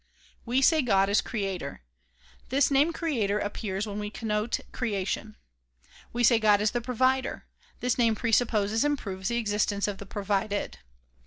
We say God is creator. This name creator appears when we connote creation. We say God is the provider. This name presupposes and proves the existence of the provided.